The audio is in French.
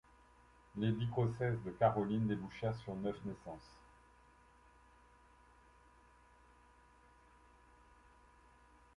Les dix grossesses de Caroline débouchèrent sur neuf naissances.